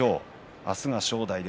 あすは正代です。